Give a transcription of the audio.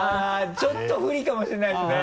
ちょっと不利かもしれないですね。